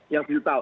yang kita tahu